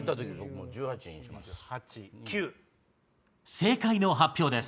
正解の発表です。